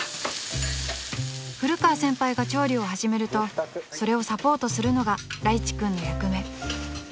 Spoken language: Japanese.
［古川先輩が調理を始めるとそれをサポートするのがらいち君の役目］